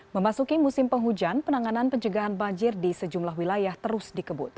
memasuki musim penghujan penanganan pencegahan banjir di sejumlah wilayah terus dikebut